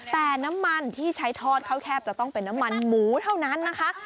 แต่น้ำมันที่ใช้ทอดข้าวแคบจะต้องเป็นน้ำมันหมูเท่านั้นนะคะ